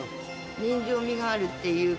人情味があるっていうか。